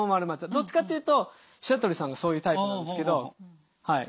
どっちかっていうと白鳥さんがそういうタイプなんですけどはい